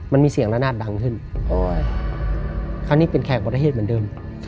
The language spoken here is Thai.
มันมีเสียงละนาดดังขึ้นคราวนี้เป็นแขกประเทศเหมือนเดิม